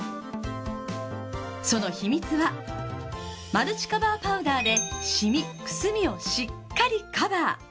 その秘密はマルチカバーパウダーでシミくすみをしっかりカバー。